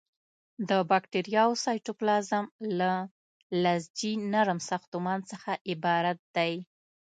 د باکتریاوو سایتوپلازم له لزجي نرم ساختمان څخه عبارت دی.